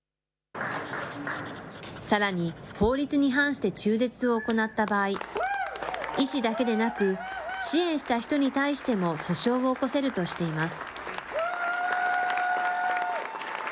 さらに、法律に反して中絶を行った場合、医師だけでなく、支援した人に対しても訴訟を起こせるとしています。